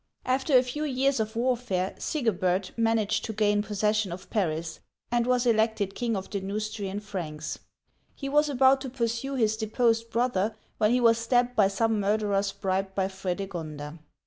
After a few years of warfare, Sigebert managed to gain possession of Paris, and was elected king of the Neustrian Franks. He was about to pursue his deposed brother. Brunhilda. BRUNHILDA AND FREDEGONDA 59 when he was stabbed by some murderers bribed by Fredegonda.